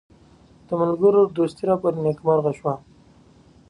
د ملګرو دوستي راپوري نیکمرغه شوه.